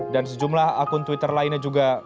dan sejumlah akun twitter lainnya juga